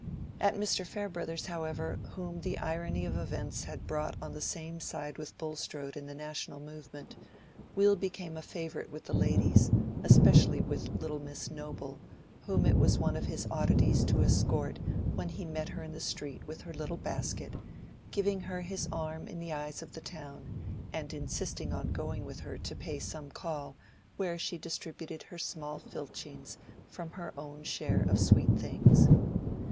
At Mr. Farebrother's, however, whom the irony of events had brought on the same side with Bulstrode in the national movement, Will became a favorite with the ladies; especially with little Miss Noble, whom it was one of his oddities to escort when he met her in the street with her little basket, giving her his arm in the eyes of the town, and insisting on going with her to pay some call where she distributed her small filchings from her own share of sweet things.